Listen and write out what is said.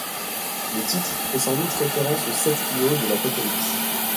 Le titre fait sans doute référence aux sept fléaux de l'Apocalypse.